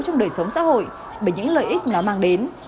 trong đời sống xã hội bởi những lợi ích nó mang đến